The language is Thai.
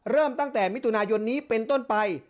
เริ่มตั้งแต่มิถุนายนนี้เป็นต้นไป